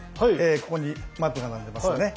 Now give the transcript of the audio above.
ここにマットが並んでいますよね。